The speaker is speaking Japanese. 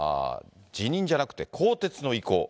辞任じゃなくて、更迭の意向。